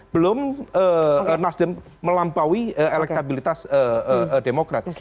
belum nasdem melampaui elektabilitas demokrat